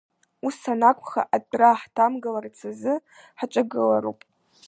Ус анакәха, атәра ҳҭамгыларц азы ҳаҿагылароуп.